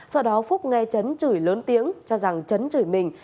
sau đó phúc nghe trấn chửi lớn tiếng cho rằng trấn chửi mình